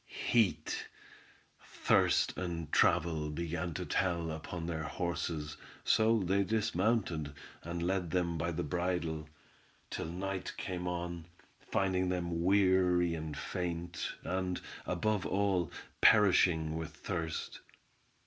Heat, thirst, and travel began to tell upon their horses, so they dismounted, and led them by the bridle, till night came on, finding them weary and faint, and, above all, perishing with thirst.